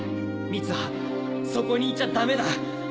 三葉そこにいちゃダメだ！